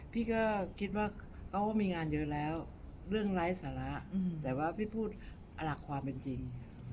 พี่ก็คิดว่าเขาก็มีงานเยอะแล้วเรื่องไร้สาระแต่ว่าพี่พูดหลักความเป็นจริง